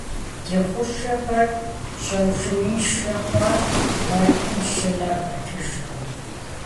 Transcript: Ди хъушэхэр щӀэжьеиншэ хъуащ, гуартэм щынэ хэтыжкъым.